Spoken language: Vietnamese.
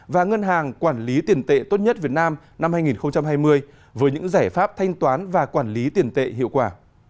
và ngân hàng quản lý tiền tệ tốt nhất việt nam năm hai nghìn hai mươi với những giải pháp thanh toán và quản lý tiền tệ hiệu quả